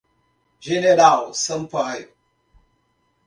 General Sampaio